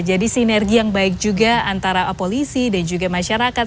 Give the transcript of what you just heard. jadi sinergi yang baik juga antara polisi dan juga masyarakat